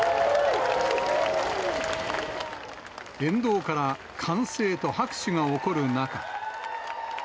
沿道から歓声と拍手が起こる中。